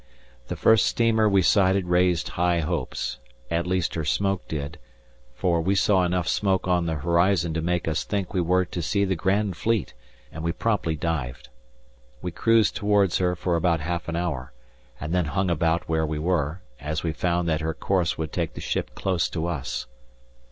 The first steamer we sighted raised high hopes, at least her smoke did, for we saw enough smoke on the horizon to make us think we were to see the Grand Fleet, and we promptly dived. We cruised towards her for about half an hour, and then hung about where we were, as we found that her course would take the ship close to us.